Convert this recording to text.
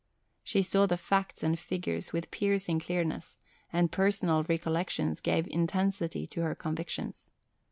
She saw the facts and figures with piercing clearness, and personal recollections gave intensity to her convictions.